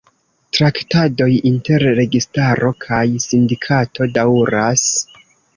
Traktadoj inter registaro kaj sindikato daŭras.